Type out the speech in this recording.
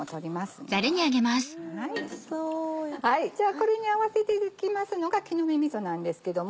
これに合わせていきますのが木の芽みそなんですけども。